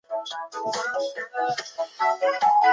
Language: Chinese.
长叶粉背青冈为壳斗科青冈属下的一个种。